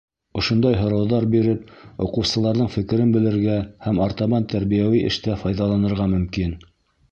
Ошондай һорауҙар биреп, уҡыусыларҙың фекерен белергә һәм артабан тәрбиәүи эштә файҙаланырға мөмкин.